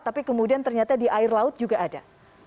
tapi kemudian ternyata di air laut juga ada